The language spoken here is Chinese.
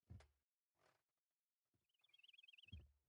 曾为成员。